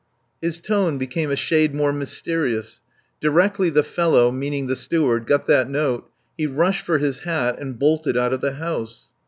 His tone became a shade more mysterious. Directly the fellow (meaning the Steward) got that note he rushed for his hat and bolted out of the house.